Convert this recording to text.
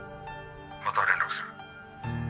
また連絡する。